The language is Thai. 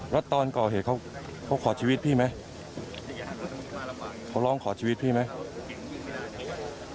แล้วตอนก่อเหตุเขาเขาขอชีวิตพี่ไหมเขาร้องขอชีวิตพี่ไหม